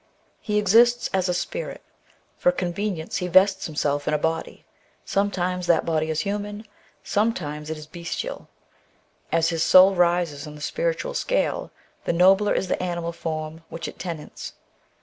He exists as a spirit ; for convenience he vests himself in a body ; sometimes that body is human, sometimes it is bestial. As his soul rises in the spiritual scale, the nobler is the animal form which it tenants.